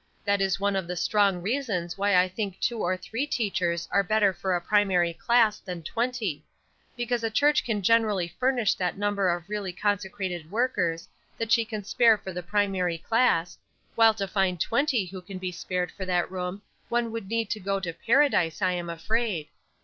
That is one of the strong reasons why I think two or three teachers are better for a primary class than twenty; because a church can generally furnish that number of really consecrated workers that she can spare for the primary class, while to find twenty who can be spared for that room one would need to go to paradise I am afraid.